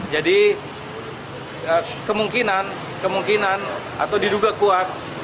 jadi kemungkinan kemungkinan atau diduga kuat